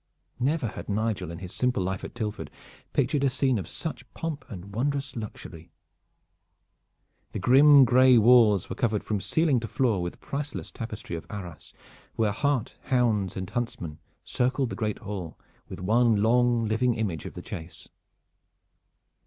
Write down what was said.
Never had Nigel in his simple life at Tilford pictured a scene of such pomp and wondrous luxury. The grim gray walls were covered from ceiling to floor with priceless tapestry of Arras, where hart, hounds and huntsmen circled the great hall with one long living image of the chase.